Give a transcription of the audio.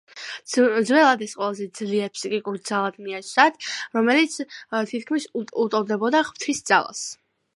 ძველად, ეს ყველაზე ძლიერ ფსიქიკურ ძალად მიაჩნდათ, რომელიც თითქმის უტოლდებოდა ღვთის ძალას.